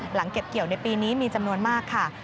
เก็บเกี่ยวในปีนี้มีจำนวนมากค่ะ